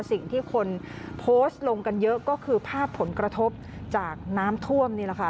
สิ่งที่คนโพสต์ลงกันเยอะก็คือภาพผลกระทบจากน้ำท่วมนี่แหละค่ะ